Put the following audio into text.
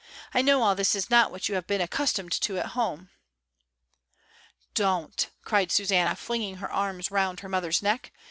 "I know all this is not what you have been accustomed to at home." "Don't," cried Susanna, flinging her arms round her mother's neck.